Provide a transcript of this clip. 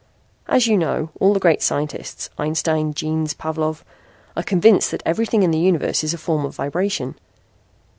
"As you know, all the great scientists Einstein, Jeans, Pavlov are convinced that everything in the universe is a form of vibration.